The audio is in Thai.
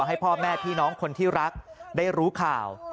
ให้พ่อแม่พี่น้องคนที่รักได้รู้ข่าว